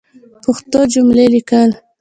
پښتو جملی لیکل